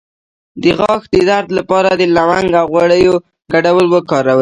د غاښ د درد لپاره د لونګ او غوړیو ګډول وکاروئ